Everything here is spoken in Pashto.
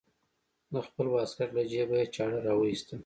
د خپل واسکټ له جيبه يې چاړه راوايسته.